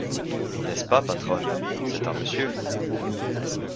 N’est-ce pas, patronne, c’est un monsieur ?